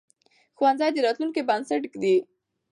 ښوونځی د راتلونکي بنسټ ږدي